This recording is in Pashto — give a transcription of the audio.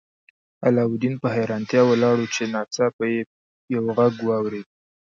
علاوالدین په حیرانتیا ولاړ و چې ناڅاپه یې یو غږ واورید.